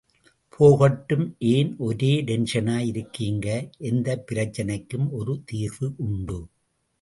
போகட்டும்... ஏன் ஒரே டென்ஷனாய் இருக்கீங்க... எந்தப் பிரச்னைக்கும் ஒரு தீர்வு உண்டு.